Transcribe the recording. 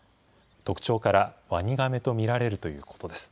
特徴からワニガメと見られるということです。